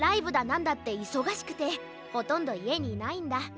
なんだっていそがしくてほとんどいえにいないんだ。